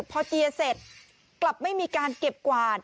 พอเตียเสร็จกลับไม่มีการเก็บกวาด